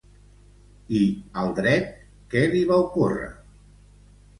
I al dret què li va ocórrer?